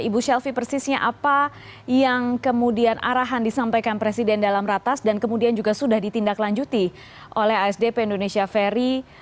ibu shelfie persisnya apa yang kemudian arahan disampaikan presiden dalam ratas dan kemudian juga sudah ditindaklanjuti oleh asdp indonesia ferry